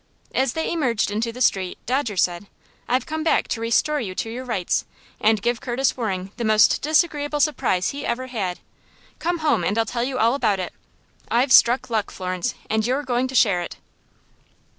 As they emerged into the street, Dodger said: "I've come back to restore you to your rights, and give Curtis Waring the most disagreeable surprise he ever had. Come home, and I'll tell you all about it. I've struck luck, Florence, and you're going to share it."